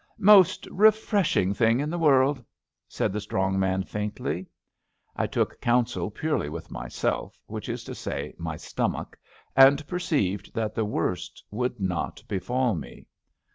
Most refreshing thing in the world," said the strong man faintly. I took counsel purely with myself, which is to say, my stomach, and perceived that the worst would not befall me.